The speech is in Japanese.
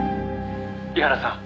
「井原さん